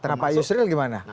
nah pak yusril gimana